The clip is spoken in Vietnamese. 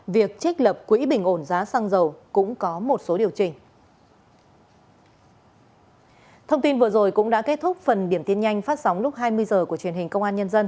việc trích lập quỹ bình ổn giá xăng dầu cũng có một số điều chỉnh